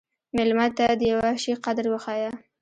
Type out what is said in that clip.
مېلمه ته د یوه شي قدر وښیه.